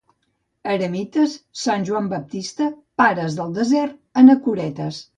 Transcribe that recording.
Eremites, sant Joan Baptista, pares del desert, anacoretes.